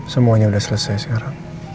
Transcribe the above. semuanya udah selesai sih ara